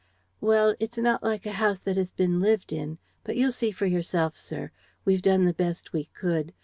"Well, it's not like a house that has been lived in; but you'll see for yourself, sir. We've done the best we could.